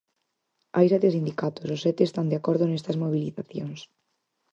Hai sete sindicatos, os sete están de acordo nestas mobilizacións.